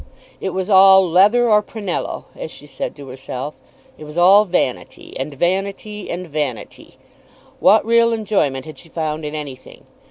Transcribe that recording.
It was all "leather or prunello," as she said to herself; it was all vanity, and vanity, and vanity! What real enjoyment had she found in anything?